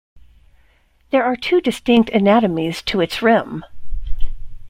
There are two distinct anatomies to its rim.